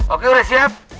oke udah siap